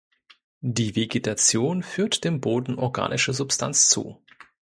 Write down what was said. Die Vegetation führt dem Boden organische Substanz zu.